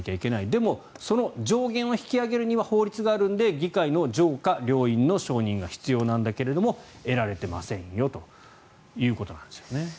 でも、その上限を引き上げるには議会の上下両院の承認が必要なんだけど得られてませんよということなんですよね。